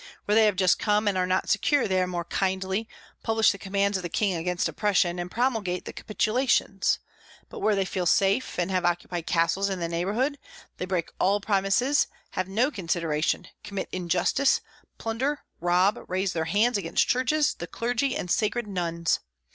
Where they have just come and are not secure, they are more kindly, publish the commands of the king against oppression, and promulgate the capitulations; but where they feel safe, and have occupied castles in the neighborhood, they break all promises, have no consideration, commit injustice, plunder, rob, raise their hands against churches, the clergy, and sacred nuns.